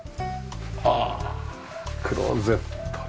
ああクローゼットね。